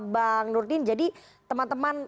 bang nurdin jadi teman teman